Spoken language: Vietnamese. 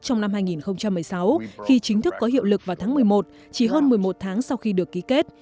trong năm hai nghìn một mươi sáu khi chính thức có hiệu lực vào tháng một mươi một chỉ hơn một mươi một tháng sau khi được ký kết